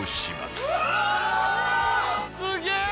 すげえ！